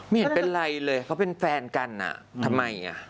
เห็นเป็นไรเลยเขาเป็นแฟนกันอ่ะทำไม